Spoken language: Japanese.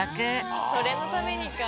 あそれのためにか。